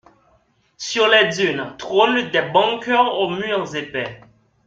Sur les dunes trônent des bunkers aux murs épais.